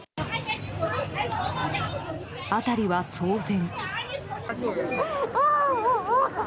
辺りは騒然。